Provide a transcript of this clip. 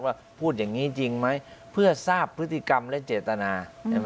ว่าพูดอย่างนี้จริงไหมเพื่อทราบพฤติกรรมและเจตนา